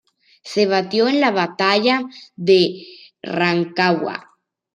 Se batió en la Batalla de Rancagua.